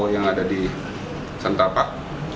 yang ada di sentapak